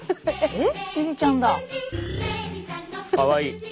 えっ！